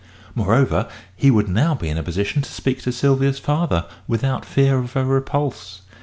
Moreover, he would now be in a position to speak to Sylvia's father without fear of a repulse.